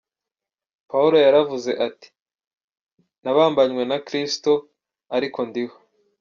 Pawulo yaravuze ati :“Nabambanywe na Kristo, ariko ndiho.